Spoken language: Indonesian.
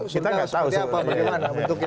surga seperti apa bagaimana bentuknya